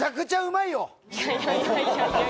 いやいやいや。